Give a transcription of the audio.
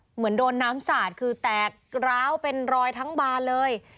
เหมือนโดนน้ำสาดคือแตกร้าวเป็นรอยทั้งบานเลย